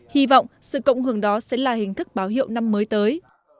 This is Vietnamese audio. hy vọng sự cộng hưởng đó sẽ là hình thức báo hiệu năm mới tới